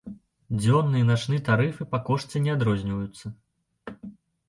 Дзённы і начны тарыфы па кошце не адрозніваюцца.